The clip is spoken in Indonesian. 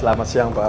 selamat siang pak